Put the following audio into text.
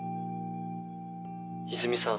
☎泉さん